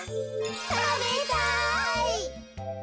たべたい。